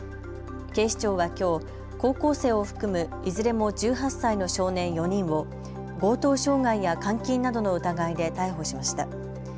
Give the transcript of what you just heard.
警視庁はきょう高校生を含むいずれも１８歳の少年４人を強盗傷害や監禁などの疑いで逮捕しました。